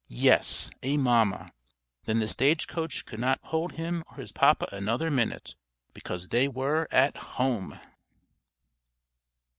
yes, a mamma! Then the stage coach could not hold him or his papa another minute, because they were at home!